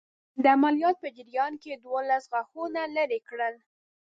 د عملیات په جریان کې یې دوولس غاښه لرې کړل.